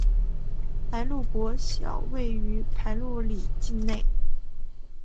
排路国小位于排路里境内。